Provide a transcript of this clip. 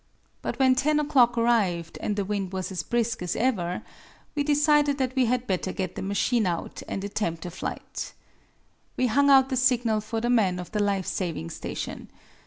But when ten o'clock arrived, and the wind was as brisk as ever, we decided that we had better get the machine out and attempt a flight. We hung out the signal for the men of the life saving station.